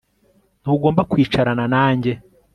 Ntugomba kwicarana nanjye